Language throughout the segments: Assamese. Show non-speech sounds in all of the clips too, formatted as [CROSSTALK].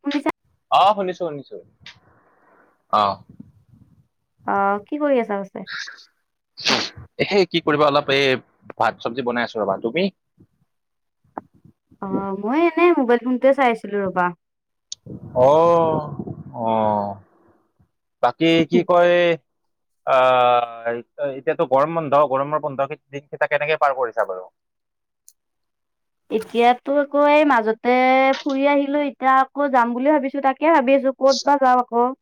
শুনিছা অ', শুনিছোঁ-শুনিছোঁ। অ'। অ', কি কৰি আছা? সেই কি কৰিবা অলপ এই ভাত চবজি বনাই আছো ৰবা। তুমি? অ, মই এনে মোবাইল ফোনটোৱে চাই আছিলো ৰবা। অ', অ', বাকী কি কয়? আহ, এতিয়াতো গৰম বন্ধ গৰমৰ বন্ধেই দিনকেইটা কেনেকে পাৰ কৰিছা বাৰু? এতিয়াতো আকৌ এই মাজতে ফুৰি আহিলোঁ, এতিয়া আকৌ যাম বুলি ভাবিছোঁ তাকে তাকে ভাবি আছোঁ কত বা যাওঁ আকৌ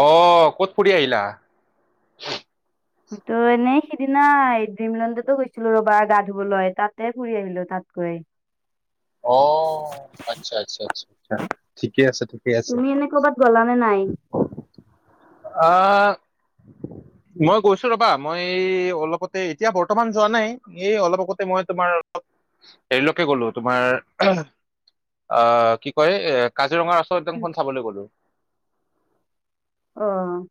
অ', ক'ত ফুৰি আহিলা? তো এনেই সিদিনা ডিমলণ্ডতো গৈছিলোঁ ৰবা গা ধুবলৈ তাতে ফুৰি আহিলোঁ তাত কয় [UNINTELLIGIBLE] অ', আচ্ছা-আচ্ছা-আচ্ছা-আচ্ছা ঠিকে আছে। আছে। তুমি এনে কৰ'ৰবাত গলা নে নাই? আহ মই গৈছোঁ ৰবা মই অলপতে এতিয়া বৰ্তমান যোৱা নাই। এই অলপ আগতে মই তোমাৰ অলপ হেৰিলৈকে গ'লোঁ। তোমাৰ অ, কি কয়? এ কাজিৰঙা ৰাষ্ট্ৰ উদ্যানখন চাবলৈ গ'লোঁ। অ'।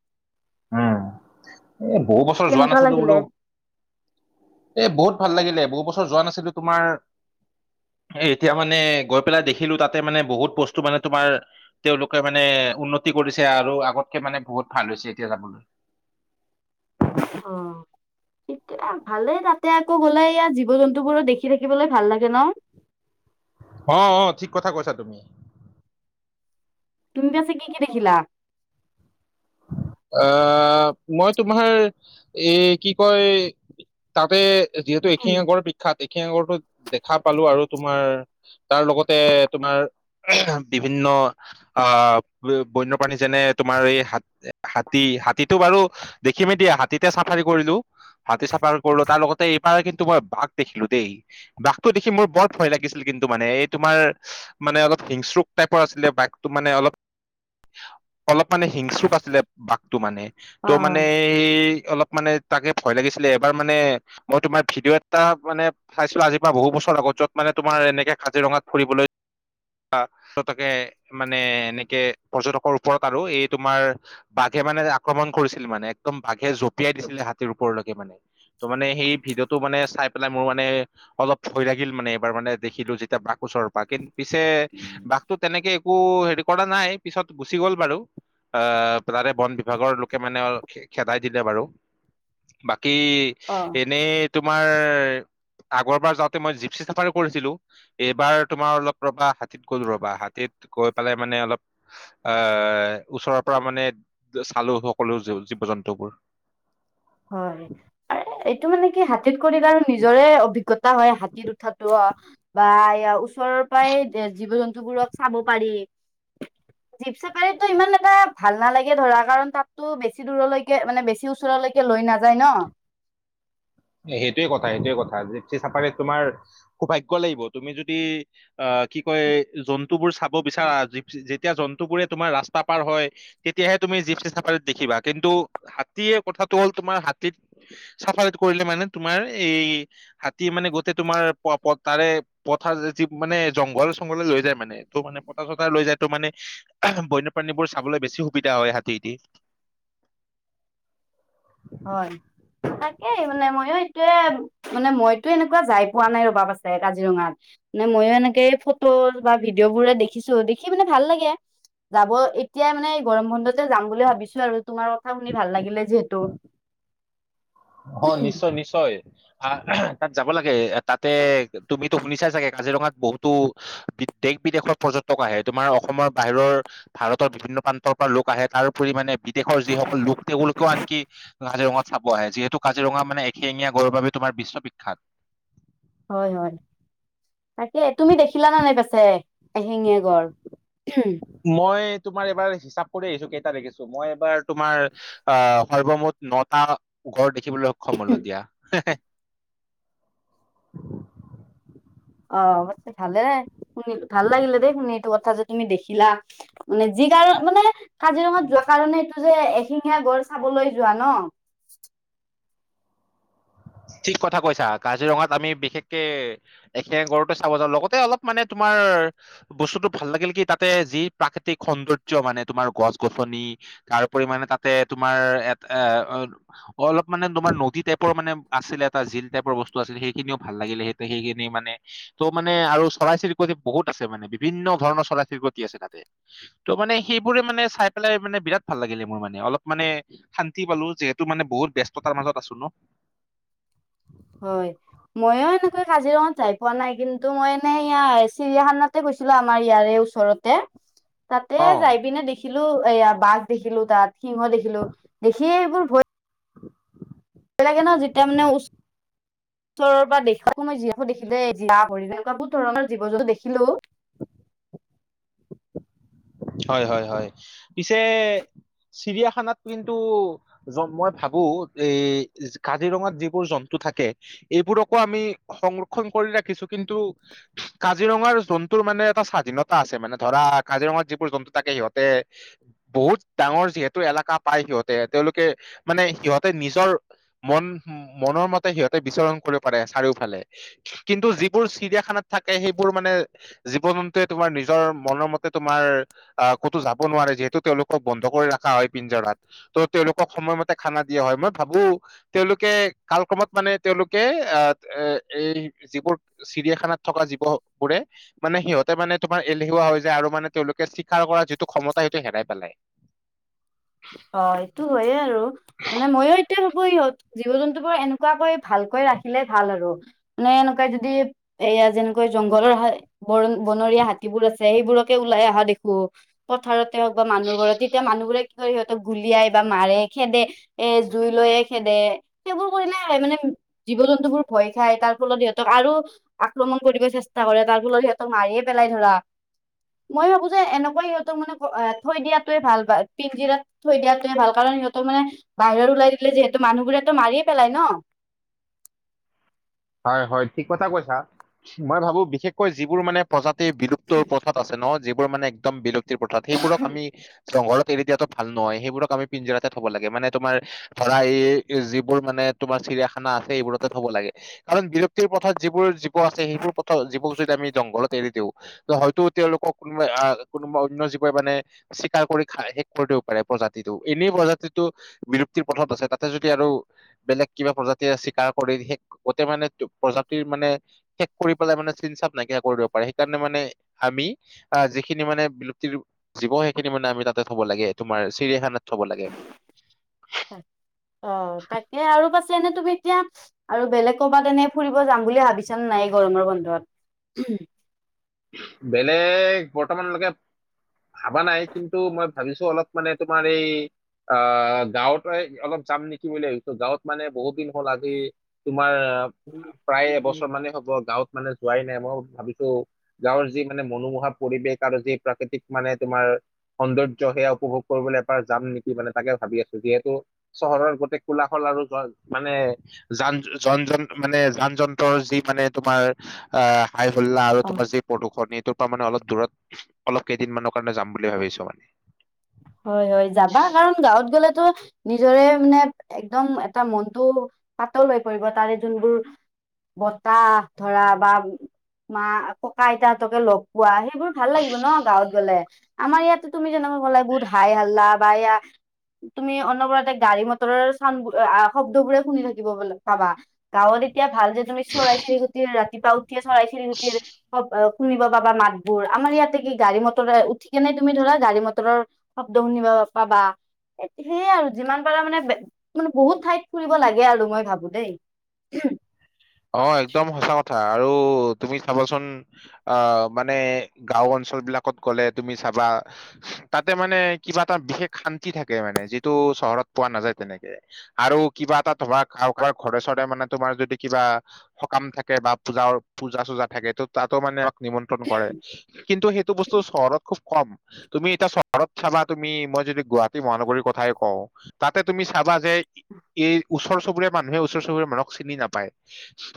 উম, এ বহু বছৰ যোৱা কেনেকুৱা নাছিলোঁ লাগিলে? বোলোঁ এ বহুত ভাল লাগিলে। বহুত বছৰ যোৱা নাছিলোঁ তোমাৰ এ এতিয়া মানে গৈ পেলাই দেখিলোঁ তাতে মানে বহুত বস্তু মানে তোমাৰ তেওঁলোকে মানে উন্নতি কৰিছে আৰু আগতকে মানে বহুত ভাল হৈছে এতিয়া যাবলৈ। অ'। তে ভালে তাতে আকৌ গলে ইয়াত জীৱ জন্তু বোৰো দেখি থাকিবলৈ ভাল লাগে ন? অ', অ', ঠিক কথা কৈছা তুমি। তুমি পিছে কি-কি দেখিলা? আহ, মই তোমাৰ এ কি কয় তাতে যিহেতু এশিঙীয়া গঁড় বিখ্যাত এশিঙীয়া গঁড় টো দেখা পালোঁ আৰু তোমাৰ তাৰ লগতে তোমাৰ বিভিন্ন অ, বন্যপ্ৰাণী যেনে তোমাৰ এই হাত হাতী, হাতীটো বাৰু দেখিমেই দিয়া হাতীতে চাফাৰি কৰিলোঁ হাতী চাফাৰী কৰিলোঁ তাৰ লগতে এইবাৰ কিন্তু মই বাঘ দেখিলো দেই। বাঘটো দেখি মোৰ বৰ ভয় লাগিছিল কিন্তু মানে এই তোমাৰ মানে অলপ হিংস্ৰক টাইপৰ আছিলে বাঘটো মানে অলপ অলপ মানে হিং আছিলে বাঘটো মানে ত' মানে অ' স অলপ মানে তাকে ভয় লাগিছিলে এবাৰ মানে মই তোমাৰ ভিডিঅ' এটা মানে চাইছিলোঁ আজিৰ পৰা বহু বছৰ আগত যত মানে তোমাৰ এনেক কাজিৰঙাত ফুৰিবলৈ পতকে মানে এনেকে পৰ্যটকৰ ওপৰত আৰু এই তোমাৰ বাঘে মানে আক্ৰমণ কৰিছিলে মানে একদম বাঘে জঁপিয়াই দিছিলে হাতীৰ ওপৰলৈকে মানে। ত' মানে সেই ভিডিঅ'টো মানে চাই পেলাই মোৰ মানে অলপ ভয় লাগিল মানে এইবাৰ মানে দেখিলোঁ যেতিয়া বাঘ ওচৰৰ পৰা কিন্তু পিছে বাঘ তো তেনেকে একো হেৰি কৰা নাই পিছত গুচি গ'ল বাৰু অ তাৰে বন বিভাগৰ লোকে মানে খেদাই দিলে বাৰু। বাকী অ' এনেই তোমাৰ আগৰবাৰ যাওঁতে মই জিপচি চাফাৰী কৰিছিলোঁ। এইবাৰ তোমাৰ অলপ ৰবা হাতীত গ'ল ৰবা, হাতীত গৈ পেলাই মানে অলপ আ, ওচৰৰ পৰা মানে চালো সকলো জীৱ জন্তু বোৰ হয় এইটো মানে কি হাতীত কৰিলে আৰু নিজৰে অভিজ্ঞতা হয় হাতীত উঠাতো বা ওচৰৰ পৰাই জীৱ জন্তুবোৰক চাব পাৰি জীপ চেপাৰীতটো ইমান এটা ভাল নালাগে ধৰা কাৰণ তাতো বেছি দূৰলৈকে মানে বেছি ওচৰলৈকে কিয় লৈ নাযায় ন? সেইটোৱে কথা-সেইটোৱে কথা। জীপচি চাফাৰিত তোমাৰ সৌভাগ্য লাগিব তুমি যদি আহ কি কয় জন্তুবোৰ চাব বিচাৰা জীপছি তেতিয়া জন্তু বোৰে তোমাৰ ৰাস্তা পাৰ হয়। তেতিয়াহে তুমি জীপচি চাফাৰীত দেখিবা, কিন্তু হাতীয়ে কথাটো হ'ল তোমাৰ হাতীত চাফাৰীত কৰিলে মানে তোমাৰ এই হাতী মানে গোতেই তোমাৰ প তাৰে পথাৰ যি মানে জংঘল চংঘলে লৈ যায় মানে। ত মানে পথাৰ চথাৰ লৈ যায় তটো মানে বন্যপ্ৰাণী বোৰ চাবলৈ বেছি সুবিধা হয় হাতীদি হয় তাকেই মানে ময়ো এইটোয়ে মানে মইতো এনেকুৱা যাই পোৱা নাই ৰবা আছে কাজিৰঙাত নাই ময়ো এনেকে ফটো বা ভিডিঅ' বোৰে দেখিছো দেখি পিনে ভাল লাগে যাব এতিয়াই মানে গৰম বন্ধতে যাম বুলি ভাবিছোঁ আৰু তোমাৰ কথা শুনি ভাল লাগিলে যিহেতু। অ নিশ্চয় নিশ্চয় আহ তাত যাব লাগে তাতে তুমিতো শুনিছা চাগে কাজিৰঙাত বহুতো বি দেশ বিদেশৰ পৰ্যটক আহে তোমাৰ অসমৰ বাহিৰৰ ভাৰতৰ বিভিন্ন প্ৰান্তৰ পৰা লোক আহে তাৰপৰি মানে বিদেশৰ যিসকল লোক তেওঁলোকেও আনকি কাজিৰঙাত চাব আহে যিহেতু কাজিৰঙা মানে এশিঙীয়া গৰুৰ বাবে তোমাৰ বিশ্ববিখ্যাত। হয় হয় তাকে তুমি দেখিলা নে নাই পিছে এশিঙীয়া গড় মই তোমাৰ এবাৰ হিচাপ কৰি আহিছো কেইটা দেখিছোঁ মই এবাৰ তোমাৰ আহ সৰ্বমুঠ নটা গড় দেখিবলৈ সক্ষম হলো দিয়া। অ অৱশ্যে ভালে শুনিলো ভাল লাগিলে দেই শুনি এইটো কথা যে তুমি দেখিলা। মানে যি কাৰণ মানে কাজিৰঙাত যোৱা কাৰণে এইটো যে এশিঙীয়া গড় চাবলৈ যোৱা ন ঠিক কথা কৈছা কাজিৰঙাত আমি বিশেষকে এশিঙীয়া গড়তো চাব যাওঁ লগতে অলপ মানে তোমাৰ বস্তুটো ভাল লাগিল কি তাতে যি প্ৰাকৃতিক সৌন্দৰ্য মানে তোমাৰ গছ গছনি তাৰপৰিমানে তাতে তোমাৰ এ এ অলপ মানে তোমাৰ নদী টাইপৰ মানে আছিলে এটা জিল টাইপৰ বস্তু আছিল সেইখিনিও ভাল লাগিলে সেই সেইখিনি মানে ত' মানে আৰু চৰাই চিৰিকট বহুত আছে মানে বিভিন্ন ধৰণৰ চৰাই চিৰিকটি আছে তাতে ত' মানে সেইবোৰে মানে চাই পেলাই মানে বিৰাট ভাল লাগিলে মোৰ মানে অলপ মানে শান্তি পালো যিহেতু মানে বহুত ব্যস্ততাৰ মাজত আছো ন। হয় মইয়ো এনেকৈ কাজিৰঙাত যাই পোৱা নাই কিন্তু মই এনেই ইয়াৰ চিৰিয়াখানাতে গৈছিলো আমাৰ ইয়াৰে ওচ ওচৰতে অ তাতে যাই পিনে দেখিলো এয়া বাঘ দেখিলো তাত সিংহ দেখিলো দেখিয়ে এইবোৰ ভয় ভয় লাগে ন যেতিয়া মানে ওচৰৰ পৰা দেখো মই জিৰাফো দেখিলে জিৰাফ হৰি তেনেকুৱা বহুত ধৰণৰ জীৱ জন্তু দেখিলো হয় হয় হয় পিছে চিৰিয়াখানাত কিন্তু য'ত মই ভাবো এই কাজিৰঙাত যিবোৰ জন্তু থাকে এইবোৰকো আমি সংৰক্ষণ কৰি ৰাখিছো কিন্তু কাজিৰঙাৰ জন্তুৰ মানে এটা স্বাধীনতা আছে মানে ধৰা কাজিৰঙা যি যিবোৰ জন্তু থাকে সিহঁতে বহুত ডাঙৰ যিহেতু এলেকা পায় সিহঁতে তেওঁলোকে মানে সিহঁতে নিজৰ মন মনৰ মতে সিহঁতে বিচৰণ কৰিব পাৰে চাৰিওফালে কিন্তু যিবোৰ চিৰিয়াখানাত থাকে সেইবোৰ মানে জীৱ জন্তুৱে তোমাৰ নিজৰ মনৰ মতে তোমাৰ আহ ক'তো যাব নোৱাৰে যিহেতু তেওঁলোকক বন্ধ কৰি ৰখা হয় পিঞ্জাৰাত তো' তেওঁলোকক সময়মতে খানা দিয়া হয় মই ভাবো তেওঁলোকে কাল ক্ৰমত মানে তেওঁলোকে আহ এ এই যিবোৰ চিৰিয়াখানাত থকা জীৱ বোৰে মানে সিহঁতে মানে তোমাৰ এলেহুৱা হয় যে আৰু মানে তেওঁলোক, চিকাৰ কৰা যিটো ক্ষমতা সিঁহতে হেৰাই পেলাই। অহ সেইটো হয়য়ে আৰু মানে ময়ো এতিয়া ভাবো ইহঁত জীৱ জন্তুবোৰ এনেকুৱাকৈ ভালকৈ ৰাখিলে ভাল আৰু মানে এনেকুৱা যদি এয়া যেনেকৈ জংঘলৰ হয়। বৰণ বনৰীয়া হাতীবোৰ আছে সেইবোৰকে ওলাই অহা দেখো। পথাৰতে হওঁক বা মানুহ ঘৰত তেতিয়া মানুহ বোৰে কিয়। তো গুলিয়াই বা মাৰে খেদে এ জুই লৈয়ে খেদে সেইবোৰ কৰি মানে জীৱ জন্তুবোৰ ভয় খায় তাৰ ফলত সিহঁতক আৰু আক্ৰমণ কৰিব চেষ্টা কৰে তাৰ ফলত সিহঁতক মাৰিয়ে পেলাই ধৰা। মই ভাবো যে এনেকুৱা সিহঁক মানে থৈ দিয়াতোৱে ভাল প পিঞ্জিৰাত, থৈ দিয়াতোৱে ভাল কাৰণ সিহঁতৰ মানে বাহিৰৰ ওলাই দিলে যিহেতু মানুহবোৰেটো মাৰিয়ে পেলাই ন। হয় হয় ঠিক কথা কৈছা মই ভাবো বিশেষকৈ যিবোৰ মানে। প্ৰজাতিৰ বিলুপ্ত প্ৰথাত আছে ন যিবোৰ মানে একদম বিলুপ্তিৰ প্ৰথাত সেইবোৰক আমি। জংঘলত এৰি দিয়াটো ভাল নহয় সেইবোৰক আমি পিঞ্জৰাতে থব লাগে মানে তোমাৰ। ধৰা এই যিবোৰ মানে তোমাৰ চিৰিয়াখানা, খানা আছে এইবোৰতে থ'ব লাগে কাৰণ বিৰক্তিৰ পথত যিবোৰ জীৱ আছে সেইবোৰ পথত যিবোৰ। যদি আমি জংঘলত এৰি দিওঁ ত হয়তো তেওঁলোকক কোনোবা আহ কোনোবা অন্য জীৱই মানে। চিকাৰ কৰি খাই শেষ কৰি দিব পাৰে প্ৰজাতিটো এনেই প্ৰজাতিটো। বিৰক্তিৰ পথত আছে তাতে যদি আৰু বেলেগ কিবা প্ৰজাতিয়ে চিকাৰ কৰি শেষ, গোটেই মানে তো প্ৰজাতিৰ মানে। শেষ কৰি পেলাই মানে চিন চাপ নাইকিয়া কৰিব দিব পাৰে সেইকাৰণে মানে আমি। আহ যিখিনি মানে বিলুপ্তিৰ জীৱ সেইখিনি মানে আমি তাতে থব লাগে তোমাৰ চিৰিয়াখানাত থব লাগে। অ তাকে আৰু পাচ। যেনে তুমি এতিয়া আৰু বেলেগ ক'বাত তেনে ফুৰিব যাম বুলি ভাবিছা নাই গৰমৰ বন্ধত। [INAUDIBLE] বেলেগ বৰ্তমানলৈকে, ভাবা নাই কিন্তু মই ভাবিছো অলপ মানে তোমাৰ এই, অহ গাঁৱৰ পৰাই অলপ যাম নেকি বুলি ভাবিছো গাঁৱত মানে বহুত দিন হ'ল আজি, তোমাৰ প্ৰায় এবছৰ মানেই হব গাঁৱত মানে যোৱাই নাই মই ভাবিছো। গাঁৱৰ যি মানে মনোমোহা পৰিৱেশ আৰু যি প্ৰাকৃতিক মানে তোমাৰ। সৌন্দৰ্য্য সেয়া উপভোগ কৰিবলৈ এবাৰ যাম নেকি মানে তাকে ভাবি আছো যিহেতু, চহৰৰ গোটেই কোলাশল আৰু মানে, যান যন যন মানে যান যন্ত্ৰৰ যি মানে তোমাৰ আহ, হাইসুলাহ অ', আৰু [UNINTELLIGIBLE] প্ৰদূষনিয়তো পৰা মানে অলপ দূৰত অলপ কেইদিন মানৰ কাৰণে যাম বুলি ভাবিছো মানে। হয় হয় যাবা কাৰণ গাঁৱত গ'লেতো। নিজৰে মানে একদম এটা মনটো পাতল হৈ পৰিব তাৰে যোনবোৰ। বতাহ ধৰা বা মা ককা আইতাহতকে লগ পোৱা। সেইবোৰ ভাল লাগিব ন গাঁৱত গলে আমাৰ ইয়াতো তুমি যেনিকা কলা বহুত হাই হোল্লা বা এইয়া। তুমি অনবতে গাড়ী মটৰৰ চাউণ্ড শব্দবোৰে শুনি থাকিব পাবা। গাঁৱত এতিয়া ভাল যে তুমি চৰাই চিৰিকুটিৰ ৰাতিপুৱা উঠিয়ে চৰাই চিৰিকুটিৰ [UNINTELLIGIBLE] শুনিব পাবা মাতবোৰ আমাৰ ইয়াতে কি গাড়ী মটৰ উঠি কেনে তুমি ধৰা গাড়ী মটৰৰ, শব্দ শুনিব পাবা। সেয়াই আৰু যিমান পাৰা মানে মানে বহুত ঠাইত ফুৰিব লাগে আৰু মই ভাবো দেই। [UNINTELLIGIBLE] অ একদম সঁচা কথা আৰু তুমি চাবাচোন। অ মানে গাওঁ অঞ্চল বিলাকত গ'লে তুমি চাবা। তাতে মানে কিবা এটা বিশেষ শান্তি থাকে মানে যিটো চহৰত পোৱা নাযায় তেনেকে। আৰু কিবা এটা তোমাৰ কাৰোবাৰ ঘৰে চৰে মানে তোমাৰ যদি কিবা সকাম থাকে বা পূজা পূজা চূজা থাকে টো তাতো মানে আমাক নিমন্ত্ৰণ কৰে। কিন্তু সেইটো বস্তু চহৰত খুব কম। তুমি এতিয়া চহৰত চাবা তুমি মই যদি গুৱাহাটী মহানগৰীৰ কথাই কওঁ তাতে তুমি চাবা। যে এই ওচৰ চুবুৰীয়া মানুহে ওচৰ চুবুৰীয়া মানুহক চিনি নাপায়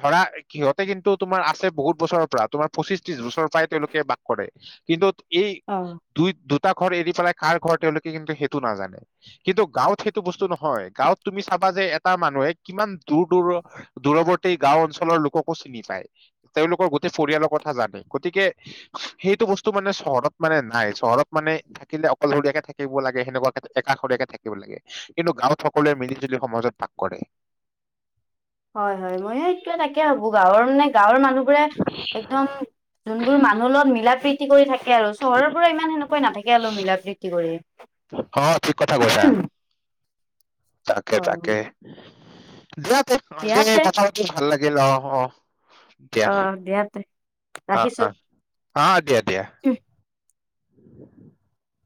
ধৰা। সিহঁতে কিন্তু তুমাৰ আছে বহুত বছৰৰ পৰা তুমাৰ পঁচিশ ত্ৰিশ বছৰৰ পৰাই তেওঁলোকে বাস কৰে কিন্তু, এই অ দুই দুটা ঘৰ এৰি পেলাই কাৰ ঘৰ তেওঁলোকে কিন্তু সেইটো নাজানে কিন্তু গাঁৱত সেইটো বস্তু নহয় গাঁৱত তুমি চাবা যে এটা মানুহে কিমান দূৰ দূৰ দূৰৱৰ্তী গাওঁ অঞ্চলৰ লোককো চিনি পায়। তেওঁলোকৰ গোটেই পৰিয়ালৰ কথা জানে। গতিকে সেইটো বস্তু মানে চহৰত মানে নাই। চহৰত মানে থাকিলে অকল শৰীয়াকে থাকিব লাগে সেনেকুৱাকে একাষৰীয়াকে থাকিব লাগে। কিন্তু গাঁৱত সকলোৱে মিলি জুলি সমাজত ভাগ কৰে। হয় হয় মই সেইটোৱে তাকে ভাবোঁ গাঁৱৰ মানে গাঁৱৰ মানুহ মানুহবোৰে একদম যোনবোৰ মানুহৰ লগত মিলা প্ৰিতি কৰি থাকে আৰু। চহৰৰ পৰা ইমান সেনেকৈ নাথাকে আৰু মিলা প্ৰিতি কৰি। অ ঠিক কথা কৈছা উম। তাকে তাকে, দিয়া ত দিয়া আজি তে কথা পাতি ভাল লাগিল অহ অহ অ দিয়া দিয়া তে অঁ অঁ। অঁ দিয়া দিয়া। উম।